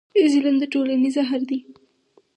ظلم د ټولنې زهر دی.